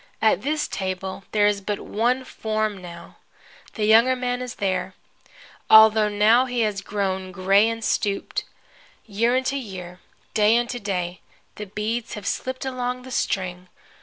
At this table there is but one form now. The younger man is there, although now he has grown gray and stooped. Year unto year, day unto day, the beads have slipped along the string.